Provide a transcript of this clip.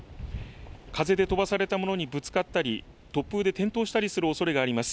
風で飛ばされた物にぶつかったり突風で転倒したりするおそれがあります。